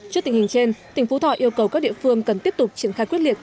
trước tình hình trên tỉnh phú thọ yêu cầu các địa phương cần tiếp tục triển khai quyết liệt